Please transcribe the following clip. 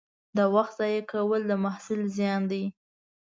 د وخت ضایع کول د محصل زیان دی.